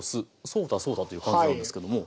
そうだそうだという感じなんですけども。